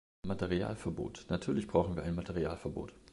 Materialverbot natürlich brauchen wir ein Materialverbot.